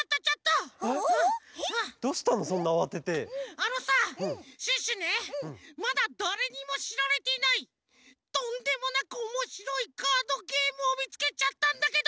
あのさシュッシュねまだだれにもしられていないとんでもなくおもしろいカードゲームをみつけちゃったんだけど！